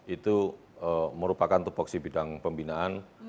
itu merupakan tupoksi bidang pembinaan